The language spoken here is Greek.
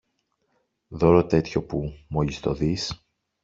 δώρο τέτοιο που, μόλις το δεις